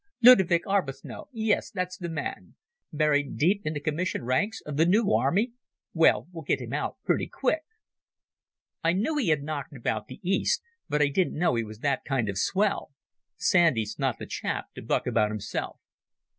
Ludovick Arbuthnot—yes, that's the man. Buried deep in the commissioned ranks of the New Army? Well, we'll get him out pretty quick!" "I knew he had knocked about the East, but I didn't know he was that kind of swell. Sandy's not the chap to buck about himself."